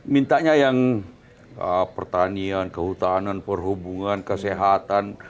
mintanya yang pertanian kehutanan perhubungan kesehatan